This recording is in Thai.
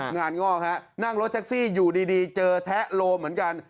งอกฮะนั่งรถแท็กซี่อยู่ดีเจอแทะโลเหมือนกัน